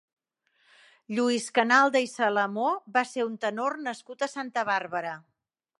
Lluís Canalda i Salamó va ser un tenor nascut a Santa Bàrbara.